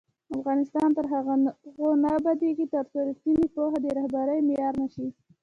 افغانستان تر هغو نه ابادیږي، ترڅو ریښتینې پوهه د رهبرۍ معیار نه شي.